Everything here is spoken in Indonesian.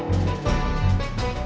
ya tanya basket kak